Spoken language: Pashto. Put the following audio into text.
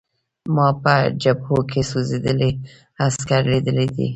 ما په جبهو کې سوځېدلي عسکر لیدلي دي